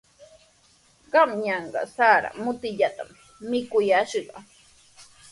Qanyanqa sara mutillatami mikuyashqaa.